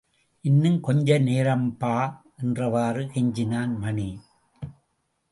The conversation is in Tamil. இன்னும் கொஞ்ச நேரம்பா என்றவாறு கெஞ்சினான் மணி.